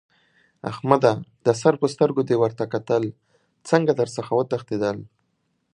احمده! د سر په سترګو دې ورته کتل؛ څنګه در څخه وتښتېدل؟!